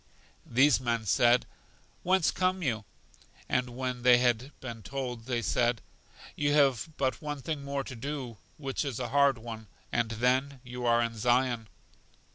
These men said: Whence come you? And when they had been told they said: You have but one thing more to do, which is a hard one, and then you are in Zion.